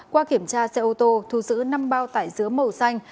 qua kiểm tra xe ô tô thu giữ năm bao tải dứa màu xanh